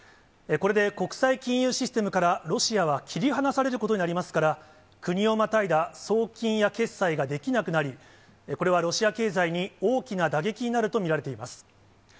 これで国際金融システムからロシアは切り離されることになりますから、国をまたいだ送金や決済ができなくなり、これはロシア経済に大きな打撃になると見られています。